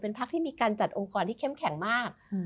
พักที่มีการจัดองค์กรที่เข้มแข็งมาก